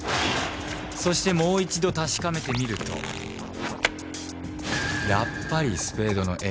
そしてもう一度確かめてみるとやっぱりスペードのエース。